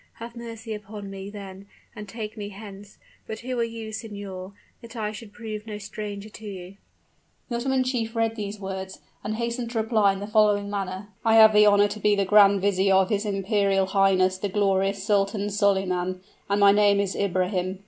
Have mercy upon me, then; and take me hence! But who are you, signor, that I should prove no stranger to you?" The Ottoman chief read these words, and hastened to reply in the following manner: "I have the honor to be the grand vizier of his imperial highness the glorious Sultan Solyman, and my name is Ibrahim.